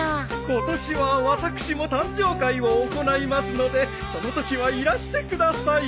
今年は私も誕生会を行いますのでそのときはいらしてください。